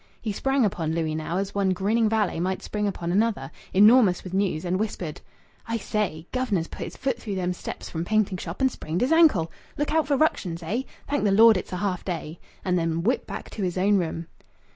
He sprang upon Louis now as one grinning valet might spring upon another, enormous with news, and whispered "I say, guv'nor's put his foot through them steps from painting shop and sprained his ankle. Look out for ructions, eh? Thank the Lord it's a half day!" and then whipped back to his own room.